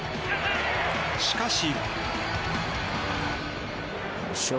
しかし。